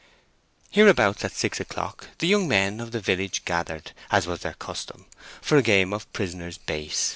Hereabouts, at six o'clock, the young men of the village gathered, as was their custom, for a game of Prisoners' base.